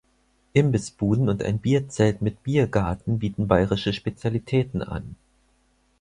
Imbissbuden und ein Bierzelt mit Biergarten bieten bayerische Spezialitäten an.